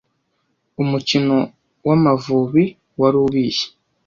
Umukino wa amavubi wari ubishye